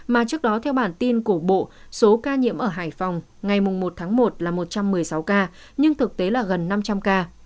mà trước đó theo bản tin cổ bộ số ca nhiễm ở hải phòng ngày một tháng một là một trăm một mươi sáu ca nhưng thực tế là gần năm trăm linh ca